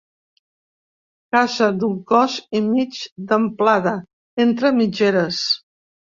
Casa d'un cos i mig d'amplada, entre mitgeres.